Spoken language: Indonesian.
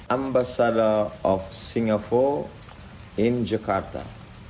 ambassador singapura di jakarta